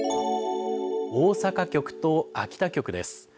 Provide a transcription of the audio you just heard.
大阪局と秋田局です。